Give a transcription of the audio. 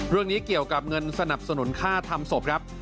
เรื่องนี้เกี่ยวกับเงินสนับสนุนค่าทำศพครับ